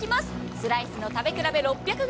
スライスの食べ比べ６００ｇ。